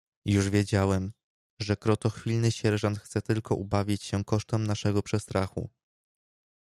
"Już wiedziałem, że krotochwilny sierżant chce tylko ubawić się kosztem naszego przestrachu."